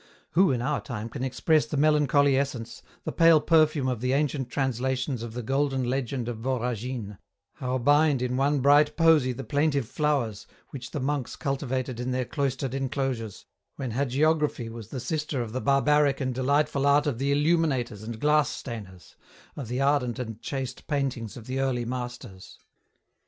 Who in our time can express the melancholy essence, the pale perfume of the ancient translations of the Golden Legend of Voragine, how bind in one bright posy the plaintive flowers, which the monks cultivated in their cloistered enclosures, when hagiography was the sister of the barbaric and delightful art of the illuminators and glass stainers, of the ardent and chaste paintings of the Early Masters